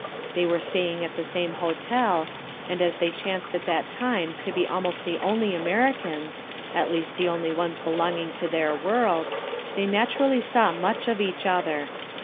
They were staying at the same hotel, and as they chanced at that time to be almost the only Amer icans, at least the only ones belonging to their world, they naturally saw much of each other.